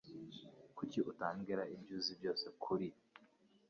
Kuki utambwira ibyo uzi byose kuri ?